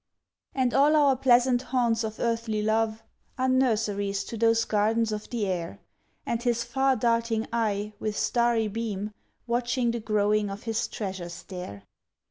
And all our pleasant haunts of earthly love Are nurseries to those gardens of the air; And his far darting eye, with starry beam, Watching the growing of his treasures there.